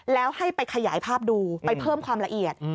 แล้วให้ไปขยายภาพดูไปเพิ่มความละเอียด